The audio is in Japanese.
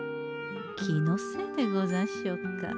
気のせいでござんしょうか？